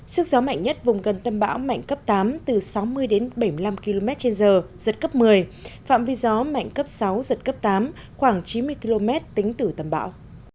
sức gió mạnh nhất vùng gần tâm bão mạnh cấp tám từ sáu mươi đến bảy mươi năm km trên giờ giật cấp một mươi phạm vi gió mạnh cấp sáu giật cấp tám khoảng chín mươi km tính từ tâm bão